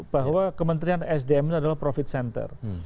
bahwa kementerian sdm ini adalah profit center